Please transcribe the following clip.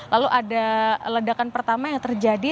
lalu ada ledakan pertama yang terjadi